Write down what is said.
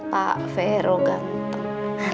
pak vero ganteng